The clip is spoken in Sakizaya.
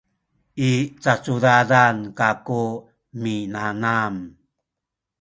i cacudadan kaku minanam